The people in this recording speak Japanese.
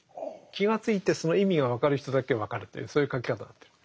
気がついてその意味が分かる人だけ分かるというそういう書き方になってる。